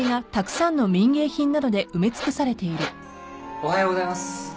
・おはようございます。